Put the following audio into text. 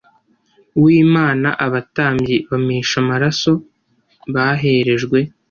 W imana abatambyi bamisha amaraso baherejwe